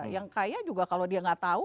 yang kaya juga kalau dia nggak tahu